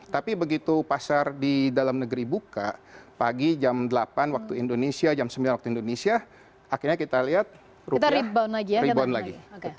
tapi begitu pasar di dalam negeri buka pagi jam delapan waktu indonesia jam sembilan waktu indonesia akhirnya kita lihat rupiah rebound lagi